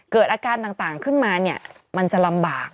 เกิดอาการต่างขึ้นมาเนี่ยมันจะลำบาก